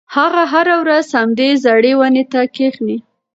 هغه هره ورځ همدې زړې ونې ته کښېني.